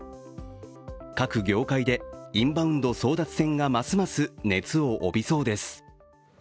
各業界でインバウンド争奪戦がますます熱を帯びそうです。